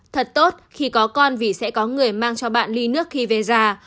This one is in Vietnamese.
thật tốt khi có con vì sẽ có người mang cho bạn ly nước khi về già